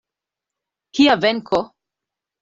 Kia venko.